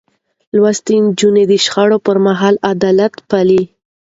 لوستې نجونې د شخړو پر مهال اعتدال پالي.